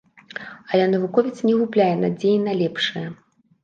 Але навуковец не губляе надзеі на лепшае.